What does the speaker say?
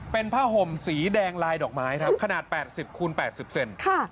เป็นผ้าห่มสีแดงลายดอกไม้ครับขนาดแปดสิบคูณแปดสิบเซ็นต์ค่ะ